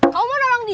kamu mau nolong dia